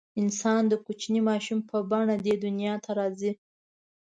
انسان د کوچني ماشوم په بڼه دې دنیا ته راځي.